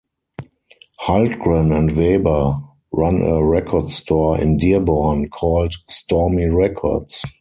Hultgren and Weber run a record store in Dearborn, called Stormy Records.